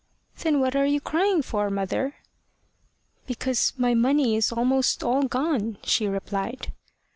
"Then what are you crying for, mother?" "Because my money is almost all gone," she replied.